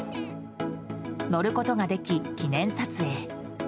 乗ることができ、記念撮影。